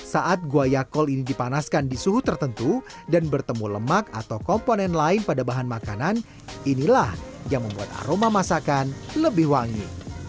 saat guayakol ini dipanaskan di suhu tertentu dan bertemu lemak atau komponen lain pada bahan makanan inilah yang membuat aroma masakan lebih wangi